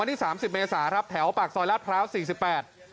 นี่สามสิบเมษาครับแถวปากซอยลาดพร้าวสี่สิบแปด